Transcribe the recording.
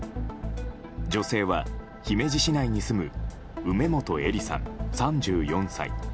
女性は姫路市内に住む梅本依里さん、３４歳。